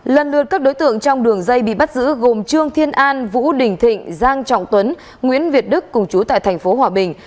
lần lượt các đối tượng trong đường dây bị bắt giữ gồm trương thiên an vũ đình thịnh giang trọng tuấn nguyễn việt đức cùng chú tại tp hòa bình